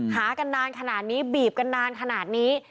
หากันนานขนาดนี้บีบกันนานขนาดนี้